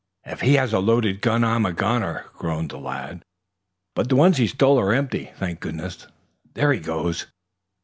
"If he has a loaded gun, I'm a goner," groaned the lad. "But the ones he stole are empty, thank goodness! There he goes!"